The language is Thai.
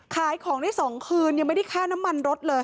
ขายของได้๒คืนยังไม่ได้ค่าน้ำมันรถเลย